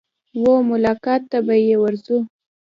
وه ملاقات ته به يې ورځو.